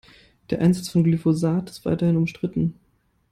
Der Einsatz von Glyphosat ist weiterhin umstritten.